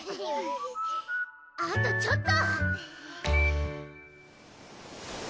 あとちょっと！